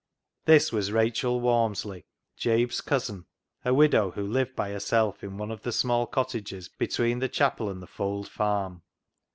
This was Rachel Walmsley, Jabe's cousin, a widow who lived by herself in one of the small cottages between the chapel and the Fold farm.